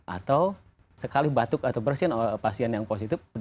atau sekali batuk atau bersin pasien yang positif